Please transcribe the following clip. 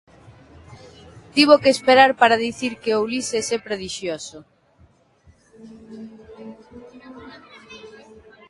Tivo que esperar para dicir que o Ulises é prodixioso.